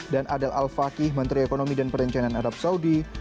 dan adel al fakih menteri ekonomi dan perencanaan arab saudi